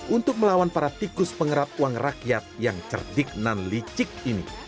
untuk melawan para tikus penggerap uang rakyat yang cerdik dan licik ini